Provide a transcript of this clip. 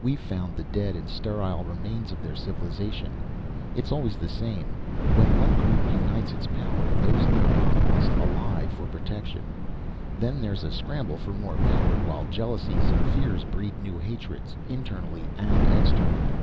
We've found the dead and sterile remains of their civilization. It's always the same. When one group unites its power, those nearby must ally for protection. Then there's a scramble for more power, while jealousies and fears breed new hatreds, internally and externally.